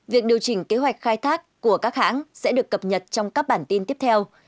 việc điều chỉnh kế hoạch khai thác của các hãng sẽ được cập nhật trong các bản tin tiếp theo